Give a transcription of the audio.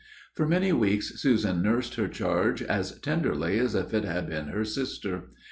For many weeks Susan nursed her charge, as tenderly as if it had been her sister.